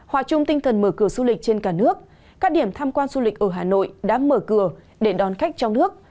hòa chung tinh thần mở cửa du lịch trên cả nước các điểm tham quan du lịch ở hà nội đã mở cửa để đón khách trong nước